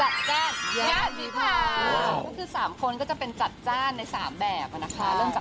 คือสามคนก็จะเป็นจัดจ้านในสามแบบนะคะ